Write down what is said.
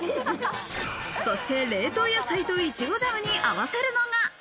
そして冷凍野菜と、いちごジャムに合わせるのが。